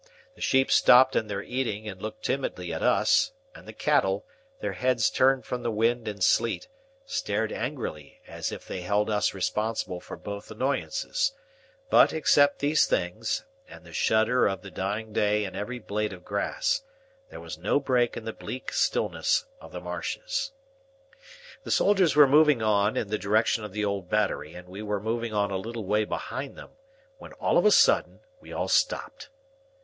The sheep stopped in their eating and looked timidly at us; and the cattle, their heads turned from the wind and sleet, stared angrily as if they held us responsible for both annoyances; but, except these things, and the shudder of the dying day in every blade of grass, there was no break in the bleak stillness of the marshes. The soldiers were moving on in the direction of the old Battery, and we were moving on a little way behind them, when, all of a sudden, we all stopped.